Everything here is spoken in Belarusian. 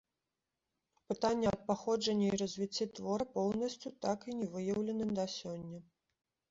Пытанне аб паходжанні і развіцці твора поўнасцю так і не выяўлены да сёння.